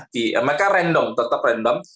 mereka random tetap random